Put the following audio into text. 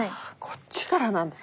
こっちからなんだ。